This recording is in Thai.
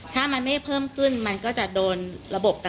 คือซึมกลับ